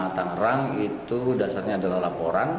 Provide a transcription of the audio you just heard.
dan di kota tangerang itu dasarnya adalah laporan